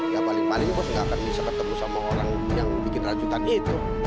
ya paling paling bos nggak akan bisa ketemu sama orang yang bikin racutan itu